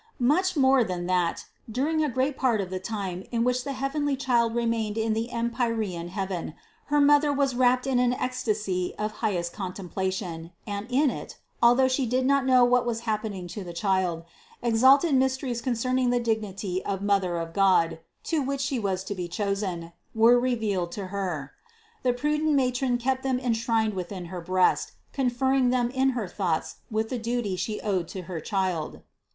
More than that, during a great part of the time in which the heavenly Child re mained in the empyrean heaven, her mother was wrapped in an ecstasy of highest contemplation, and in it, although she did not know what was happening to the Child, ex alted mysteries concerning the dignity of Mother of God, THE CONCEPTION 271 to which She was to be chosen, were revealed to her. The prudent matron kept them enshrined within her breast, conferring them in her thoughts with the duties she owed to her Child.